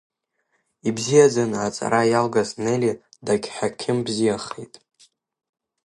Ибзиаӡаны аҵара иалгаз Нели, дагьҳақьым бзиахеит.